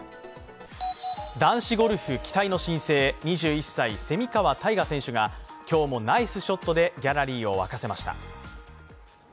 男子ゴルフ期待の新星、２１歳、蝉川泰果選手が今日もナイスショットでギャラリーを沸かせました。